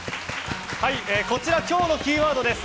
こちら、今日のキーワードです。